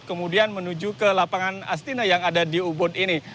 kemudian menuju ke lapangan astina yang ada di ubud ini